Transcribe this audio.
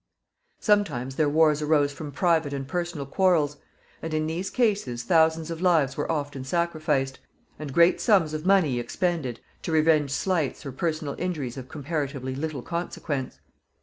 Sometimes their wars arose from private and personal quarrels, and in these cases thousands of lives were often sacrificed, and great sums of money expended to revenge slights or personal injuries of comparatively little consequence.